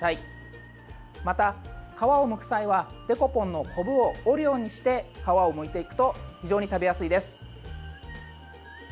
また皮をむく際はデコポンのこぶを折るようにして皮をむいていくと非常に食べやすいです。